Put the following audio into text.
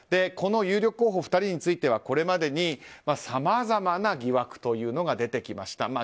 この有力候補２人についてはこれまでにさまざまな疑惑が出てきました。